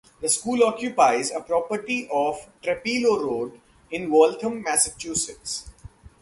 The school occupies a property off Trapelo Road in Waltham, Massachusetts.